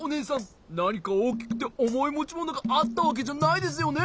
なにかおおきくておもいもちものがあったわけじゃないですよね？